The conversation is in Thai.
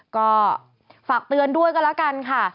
ก็ฝากเตือนด้วยก็แล้วกันค่ะ